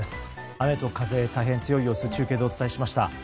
雨と風が大変強い様子を中継でお伝えしました。